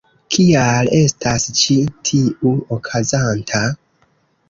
Kial estas ĉi tiu okazanta?